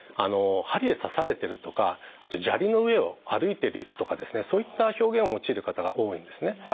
針で刺されてるとかあと砂利の上を歩いてるとかそういった表現を用いる方が多いんですね。